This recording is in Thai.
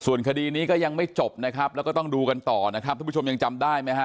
ส่วนคดีนี้ก็ยังไม่จบนะครับแล้วก็ต้องดูกันต่อนะครับทุกผู้ชมยังจำได้ไหมฮะ